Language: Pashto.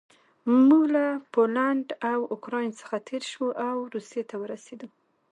موږ له پولنډ او اوکراین څخه تېر شوو او روسیې ته ورسېدو